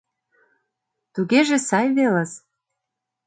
— Тугеже сай велыс.